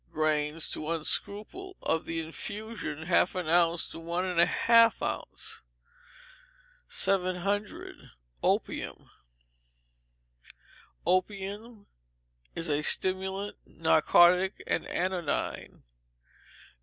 grains to one scruple; of the infusion, half an ounce to one and a half ounce. 700. Opium Opium is a stimulant, narcotic, and anodyne.